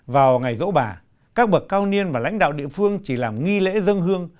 vào ngày dỗ bà các bậc cao niên và lãnh đạo địa phương chỉ làm nghi lễ dân hương